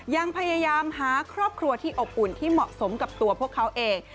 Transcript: ยังพยายามหาครอบครัวที่อบอุ่นที่เหมาะสมกับตัวพวกเขาเอง